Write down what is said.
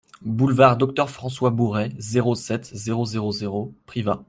Boulevard Docteur François Bourret, zéro sept, zéro zéro zéro Privas